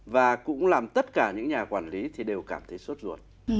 và cũng làm tất cả những nhà quản lý thì đều cảm thấy suốt ruột